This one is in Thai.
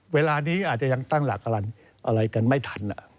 เวลานี้อาจจะยังตั้งหลักอะไรกันไม่ทัน